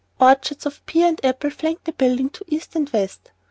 Orchards of pear and apple flanked the building to east and west.